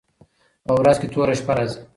په ورځ كي توره شپـه راځي